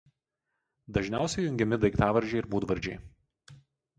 Dažniausiai jungiami daiktavardžiai ir būdvardžiai.